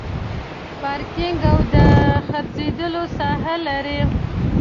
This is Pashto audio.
پارکینګ او د ګرځېدو ساحه لري.